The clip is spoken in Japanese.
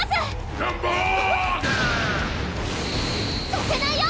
させないよ！